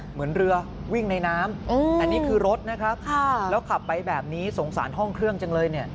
เหมือนเรือวิ่งในน้ำอันนี้คือรถนะครับแล้วขับไปแบบนี้สงสารห้องเครื่องจังเลยเนี่ย